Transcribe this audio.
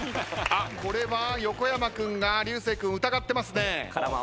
これは横山君が流星君疑ってますね。